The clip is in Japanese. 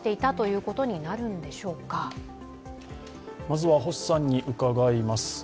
まずは星さんに伺います。